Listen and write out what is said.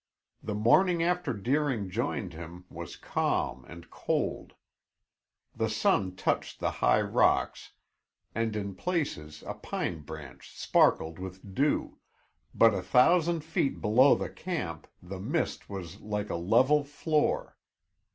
The morning after Deering joined him was calm and cold. The sun touched the high rocks and in places a pine branch sparkled with dew, but a thousand feet below the camp the mist was like a level floor.